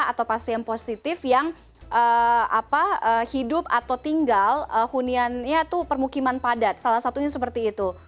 atau pasien positif yang hidup atau tinggal huniannya itu permukiman padat salah satunya seperti itu